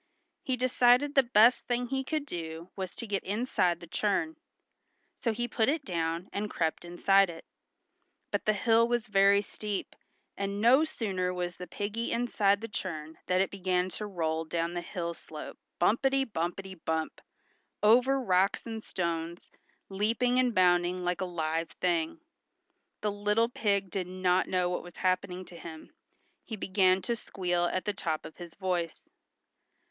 He decided the best thing he could do was to get inside the churn. So he put it down and crept inside it. But the hill was very steep, and no sooner was the piggy inside the churn than it began to roll down the hill slope bumpety bumpety bump, over rocks and stones, leaping and bounding like a live thing. The little pig did not know what was happening to him. He began to squeal at the top of his voice.